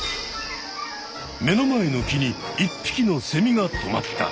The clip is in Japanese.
目の前の木に一匹のセミがとまった！